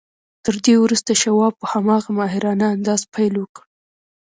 تر دې وروسته شواب په هماغه ماهرانه انداز پیل وکړ